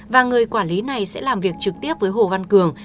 và người quản lý này sẽ làm việc trực tiếp với hồ văn cường